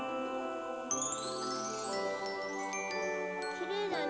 きれいだね。